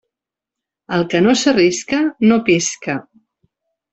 El que no s'arrisca no pisca.